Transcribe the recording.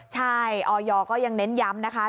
ใช่ออยก็ยังเน้นย้ำนะคะ